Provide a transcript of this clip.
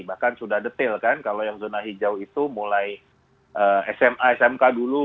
bahkan sudah detail kan kalau yang zona hijau itu mulai sma smk dulu